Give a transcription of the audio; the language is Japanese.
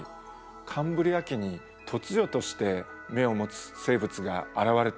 カンブリア紀に突如として眼を持つ生物が現れたんです。